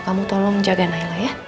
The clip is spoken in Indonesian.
kamu tolong jaga naila ya